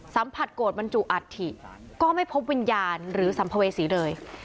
สัมผัสโกรธบรรจุอัฐิก็ไม่พบวิญญาณหรือสัมภเวษีเลย